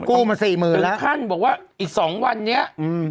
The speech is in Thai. กู้มา๔มือแล้วถึงท่านบอกว่าอีก๒วันเนี่ย